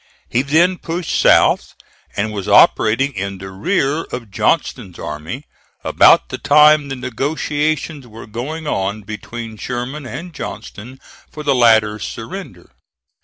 He then pushed south, and was operating in the rear of Johnston's army about the time the negotiations were going on between Sherman and Johnston for the latter's surrender.